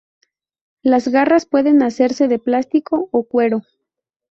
Las garras pueden hacerse de plástico o cuero.